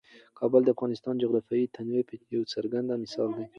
کابل د افغانستان د جغرافیوي تنوع یو څرګند مثال دی.